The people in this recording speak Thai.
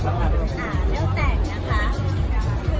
อ่าแล้วแต่งนะคะ